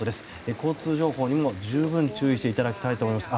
交通情報にも十分注意していただきたいと思います。